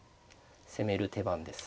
攻める手番です。